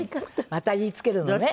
また言い付けるのね？